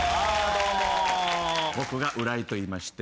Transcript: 僕が浦井といいまして。